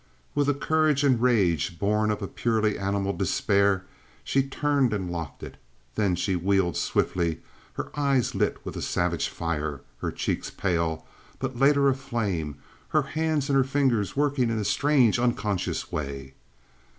With a courage and rage born of a purely animal despair, she turned and locked it; then she wheeled swiftly, her eyes lit with a savage fire, her cheeks pale, but later aflame, her hands, her fingers working in a strange, unconscious way.